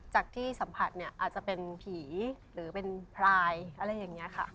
จากที่สัมผัสเนี่ยอาจจะเป็นผีหรือเป็นพลายอะไรอย่างนี้ค่ะ